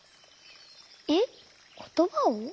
えっことばを？